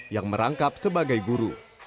yang merangkap sebagai guru